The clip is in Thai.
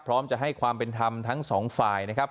พร้อมจะให้ความเป็นธรรมทั้งสองฝ่ายนะครับ